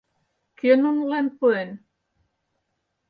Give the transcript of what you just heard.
Кӧ нунылан пуэн?